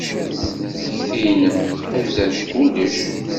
Takti-nnem tḥuza-d kullec.